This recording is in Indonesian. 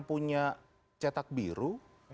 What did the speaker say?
kita punya cetak biru